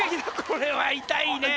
これは痛いね